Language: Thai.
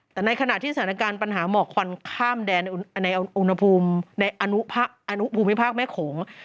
แต่ในขณะที่สถานการณ์ปัญหาหมอกควันข้ามแดนในอุณหภูมิในอนุภูมิภาคแม่โขง